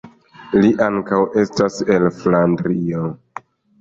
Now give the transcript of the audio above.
Li ankaŭ estas el Flandrio.